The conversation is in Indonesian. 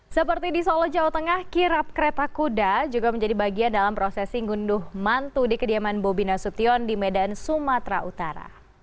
seperti di solo jawa tengah kirap kereta kuda juga menjadi bagian dalam prosesi ngunduh mantu di kediaman bobi nasution di medan sumatera utara